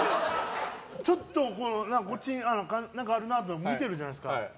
ちょっと、こっちに何かあるなと見ているじゃないですか。